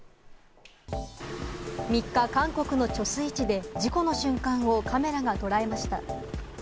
３日、韓国の貯水池で事故の瞬間をカメラが捉えました。